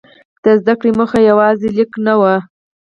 د زده کړې موخه یوازې لیک نه وه.